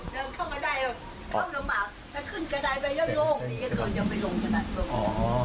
เดินเข้ากระดายเข้าลำบากแล้วขึ้นกระดายไปแล้วโล่ง